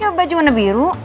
masa pakai baju warna biru